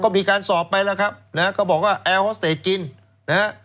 ก็มีการสอบไปแล้วครับนะฮะก็บอกว่าแอร์ฮอสเตจกินนะฮะ